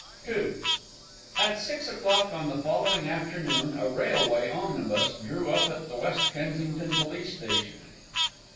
II At six o'clock on the following afternoon a railway omnibus drew up at the West Kensington police station.